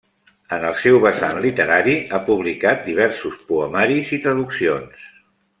En el seu vessant literari, ha publicat diversos poemaris i traduccions.